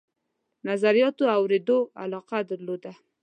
نظریاتو له اورېدلو علاقه درلوده.